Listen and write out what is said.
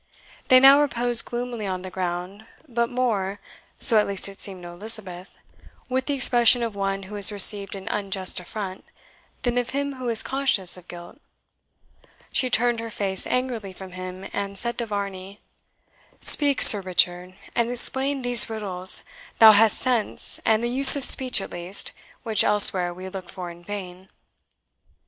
They now reposed gloomily on the ground, but more so at least it seemed to Elizabeth with the expression of one who has received an unjust affront, than of him who is conscious of guilt. She turned her face angrily from him, and said to Varney, "Speak, Sir Richard, and explain these riddles thou hast sense and the use of speech, at least, which elsewhere we look for in vain."